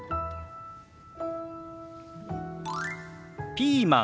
「ピーマン」。